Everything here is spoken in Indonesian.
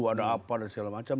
ada apa dan segala macam